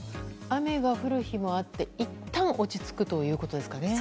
雨が降る日もあっていったん落ち着くんですね。